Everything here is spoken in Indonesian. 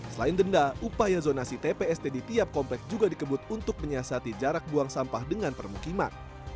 selain denda upaya zonasi tpst di tiap komplek juga dikebut untuk menyiasati jarak buang sampah dengan permukiman